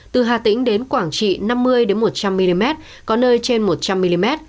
từ hà tĩnh đến quảng trị năm mươi một trăm linh mm có nơi trên một trăm linh mm